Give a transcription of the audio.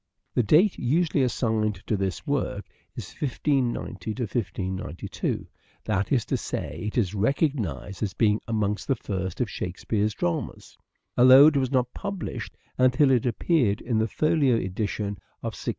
The date usually assigned to this work is 1590 92 ; that is to say it is recognized as being amongst the first of Shakespeare's dramas, although it was not published until it appeared in the Folio edition of 1623.